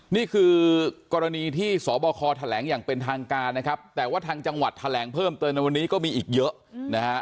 นี่คือกรณีที่สบคแถลงอย่างเป็นทางการนะครับแต่ว่าทางจังหวัดแถลงเพิ่มเติมในวันนี้ก็มีอีกเยอะนะฮะ